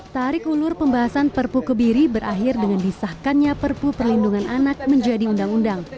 tarik ulur pembahasan perpu kebiri berakhir dengan disahkannya perpu perlindungan anak menjadi undang undang